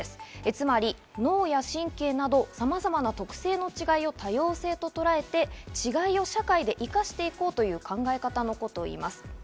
つまり脳や神経など様々な特性の違いを多様性ととらえて、違いを社会で生かして行こうという考え方のことです。